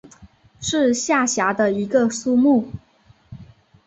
是下辖的一个苏木。